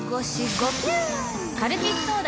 カルピスソーダ！